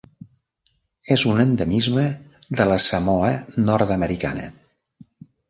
És un endemisme de la Samoa Nord-americana.